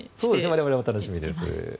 我々も楽しみです。